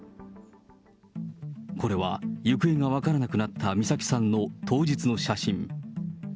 これは、行方が分からなくなった美咲さんの当日の写真。